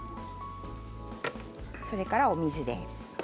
それから、お水です。